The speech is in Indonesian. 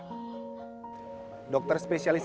dokter spesialis anak elsa yang diperkenankan rawat jalan